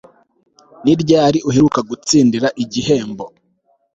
Ni ryari uheruka gutsindira igihembo